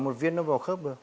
một viên nó vào khớp được